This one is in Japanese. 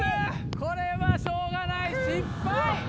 これはしょうがない失敗。